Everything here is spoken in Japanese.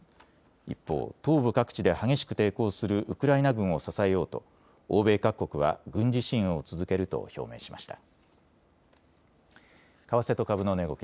一方、東部各地で激しく抵抗するウクライナ軍を支えようと欧米各国は軍事支援を続けると表明しました。